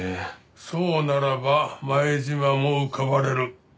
そうならば前島も浮かばれる。